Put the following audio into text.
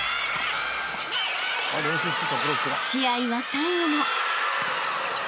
［試合は最後も］